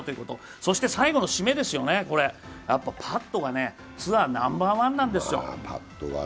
そして最後の締めですよね、パットがツアーナンバーワンなんですよ。